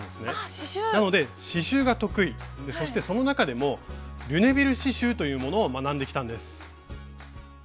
なので刺しゅうが得意でそしてその中でもリュネビル刺しゅうというものを学んできたんです。